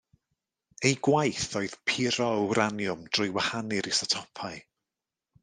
Eu gwaith oedd puro wraniwm drwy wahanu'r isotopau.